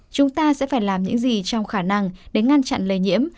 chúng ta sẽ phải làm những gì trong khả năng để ngăn chặn lây nhiễm